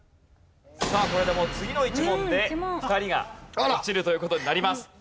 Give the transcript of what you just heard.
さあこれでもう次の１問で２人が落ちるという事になります。